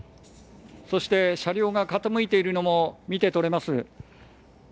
そして、車両が傾いているのも見て取れます。